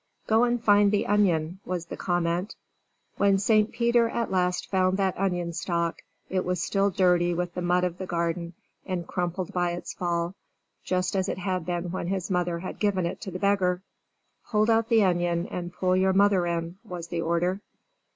"Go and find the onion," was the comment. When St. Peter at last found that onion stalk, it was still dirty with the mud of the garden and crumpled by its fall, just as it had been when his mother had given it to the beggar. "Hold out the onion and pull your mother in," was the order.